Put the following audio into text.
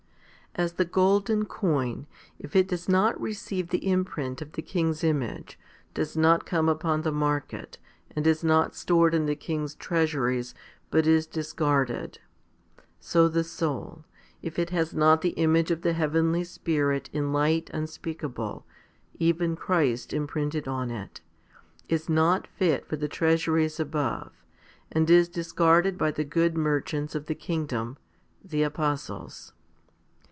5. As the golden coin, if it does not receive the imprint of the king's image, does not come upon the market, and is not stored in the king's treasuries, but is discarded, so the soul, if it has not the image of the heavenly Spirit in light unspeakable, even Christ imprinted on it, is not fit for the treasuries above, and is discarded by the good merchants of the kingdom, the apostles.